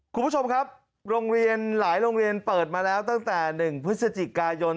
คุณผู้ชมครับโรงเรียนหลายโรงเรียนเปิดมาแล้วตั้งแต่๑พฤศจิกายน